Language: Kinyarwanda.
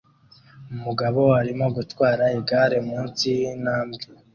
Umugabo arimo gutwara igare munsi yintambwe